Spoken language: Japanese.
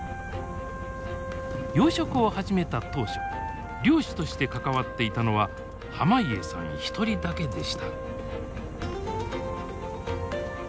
養殖を始めた当初漁師として関わっていたのは浜家さん１人だけでした。